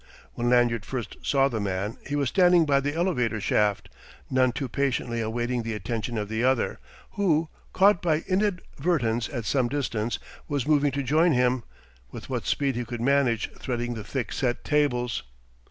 When Lanyard first saw the man he was standing by the elevator shaft, none too patiently awaiting the attention of the other, who, caught by inadvertence at some distance, was moving to join him, with what speed he could manage threading the thick set tables.